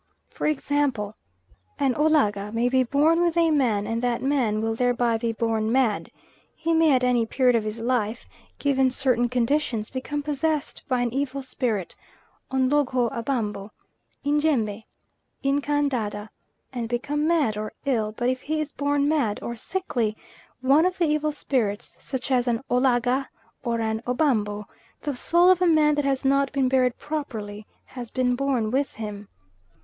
For example, an Olaga may be born with a man and that man will thereby be born mad; he may at any period of his life, given certain conditions, become possessed by an evil spirit, Onlogho Abambo, Injembe, Nkandada, and become mad, or ill; but if he is born mad, or sickly, one of the evil spirits such as an Olaga or an Obambo, the soul of a man that has not been buried properly, has been born with him.